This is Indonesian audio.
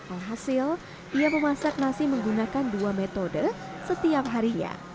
alhasil ia memasak nasi menggunakan dua metode setiap harinya